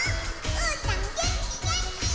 うーたんげんきげんき！